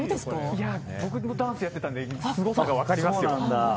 僕もダンスやってたのですごさが分かりますよ。